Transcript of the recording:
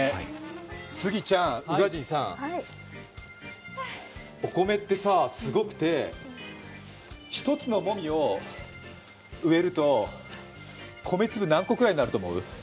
スギちゃん、宇賀神さん、お米ってさ、すごくて、１つのもみを植えると、米粒何個くらいになると思う？